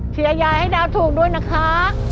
เชียยายให้นำถูกด้วยนะคะ